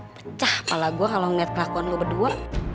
pecah kepala gue kalo ngeliat kelakuan lo berdua